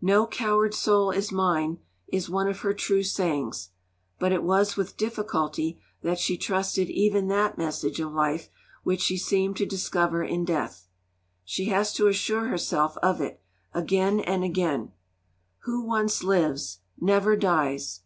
'No coward soul is mine' is one of her true sayings; but it was with difficulty that she trusted even that message of life which she seemed to discover in death. She has to assure herself of it, again and again: 'Who once lives, never dies!'